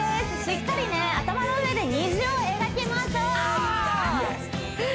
しっかりね頭の上で虹を描きましょう！